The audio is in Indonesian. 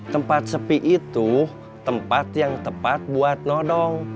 tempat sepi itu tempat yang tepat buat nodong